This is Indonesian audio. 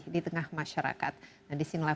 di tengah masyarakat nah disinilah